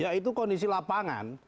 ya itu kondisi lapangan